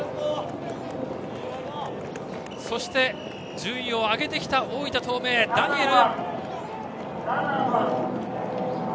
そして、順位を上げてきた大分東明のダニエル。